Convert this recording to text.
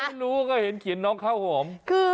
ไม่รู้ก็เห็นเขียนน้องข้าวหอม